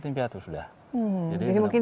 tim piatu sudah jadi ini mungkin